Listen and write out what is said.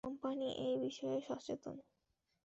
Company এই বিষয়ে সচেতন।